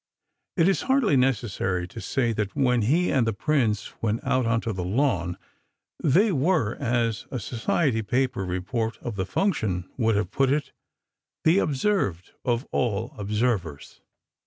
It is hardly necessary to say that when he and the Prince went out on to the lawn, they were, as a Society paper report of the function would have put it, "the observed of all observers."